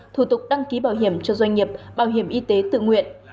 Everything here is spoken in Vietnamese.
thủ tục đăng ký bảo hiểm cho doanh nghiệp bảo hiểm y tế tự nguyện